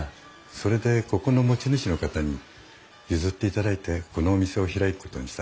それでここの持ち主の方に譲っていただいてこのお店を開くことにしたんです。